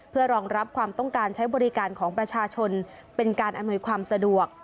เพื่อรองรับความต้องการใช้บริการของประชาชนเป็นการอำนวยความสะดวก